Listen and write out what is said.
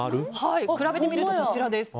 比べてみると、こちら。